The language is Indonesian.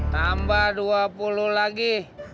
tambah dua puluh lagi